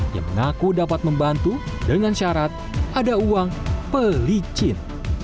yang mengaku dapat membantu dengan syarat ada uang pelicin